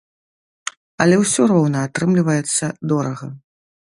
Але ўсё роўна атрымліваецца дорага.